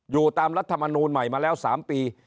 ตามรัฐมนูลใหม่มาแล้ว๓ปี